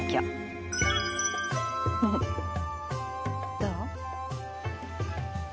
どう？